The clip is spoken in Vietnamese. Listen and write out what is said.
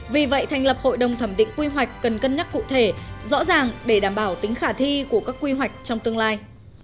vì vậy thành lập hội đồng thẩm định quy hoạch cần cân nhắc cụ thể rõ ràng để đảm bảo tính khả thi của các quy hoạch trong tương lai